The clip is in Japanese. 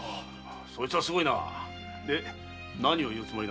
そいつはすごいなで何を言うつもりなんだ？